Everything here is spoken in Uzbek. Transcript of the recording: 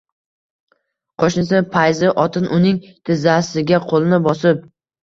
Qoʼshnisi Payzi otin uning tizzasiga qoʼlini bosib: